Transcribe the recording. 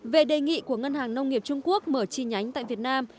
về đề nghị của ngân hàng nông nghiệp trung quốc mở chi nhánh tại việt nam